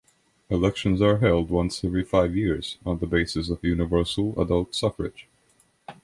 Elections are held once every five years, on the basis of universal adult suffrage.